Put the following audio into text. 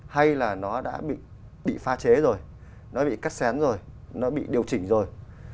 hay là nó đã bị pha chế rồi nó bị cắt xén rồi nó bị điều chỉnh rồi